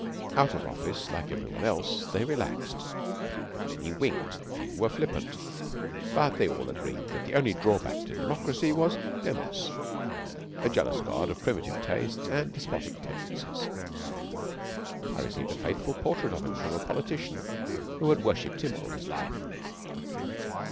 Out of office, like every one else, they relaxed. Many winked, a few were flippant, but they all agreed that the only drawback to Democracy was Demos a jealous God of primitive tastes and despotic tendencies. I received a faithful portrait of him from a politician who had worshipped him all his life.